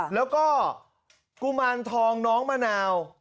แล้วก็กุมารทองน้องมะนาว